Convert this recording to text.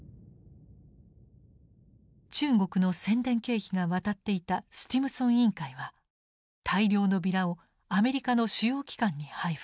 中国の宣伝経費が渡っていたスティムソン委員会は大量のビラをアメリカの主要機関に配布。